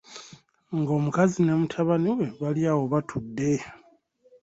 Ng'omukazi ne mutabani we bali awo batudde.